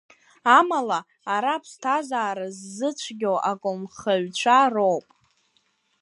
Амала, ара, аԥсҭазаара ззыцәгьоу аколнхаҩцәа роуп.